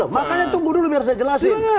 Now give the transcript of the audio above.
makanya tunggu dulu biar saya jelasin